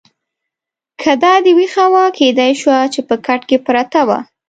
چې دا دې وېښه وه، کېدای شوه چې په کټ کې پرته وه.